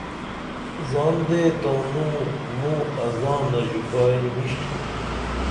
زان دے تانوں موں ازانہ ژوپائی نِشتُھم